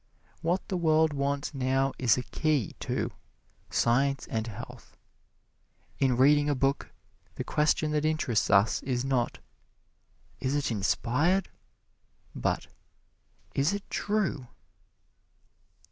What the world wants now is a Key to "Science and Health." In reading a book, the question that interests us is not, "Is it inspired?" but, "Is it true?"